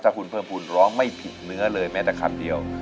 คุณเพิ่มภูมิร้องไม่ผิดเนื้อเลยแม้แต่คำเดียว